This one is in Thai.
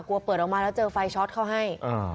เปิดออกมาแล้วเจอไฟช็อตเข้าให้